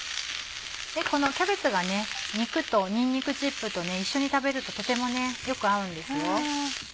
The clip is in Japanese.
このキャベツが肉とにんにくチップと一緒に食べるととてもよく合うんですよ。